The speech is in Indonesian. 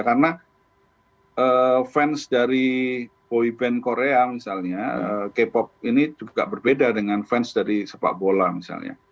karena fans dari boyband korea misalnya k pop ini juga berbeda dengan fans dari sepak bola misalnya